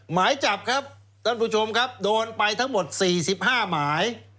หมายจับครับท่านผู้ชมครับโดนไปทั้งหมด๔๕หมาย